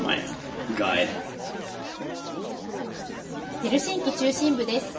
ヘルシンキ中心部です。